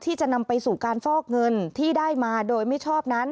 ที่จะนำไปสู่การฟอกเงินที่ได้มาโดยไม่ชอบนั้น